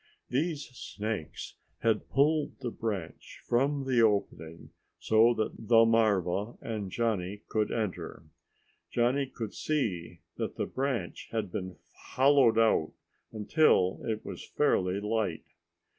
These snakes had pulled the branch from the opening so that the marva and Johnny could enter. Johnny could see that the branch had been hollowed out until it was fairly light.